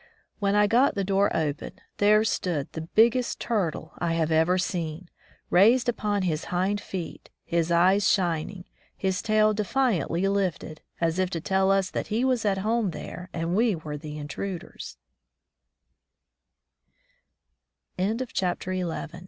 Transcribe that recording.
When I got the door open, there stood the biggest turtle I have ever seen, raised upon his hind feet, his eyes shining, his tail de fiantly lifted, as if to tell us that he was at home there and we were the intruder